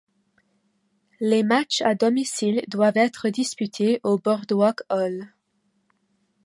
Les matchs à domicile doivent être disputés au Boardwalk Hall.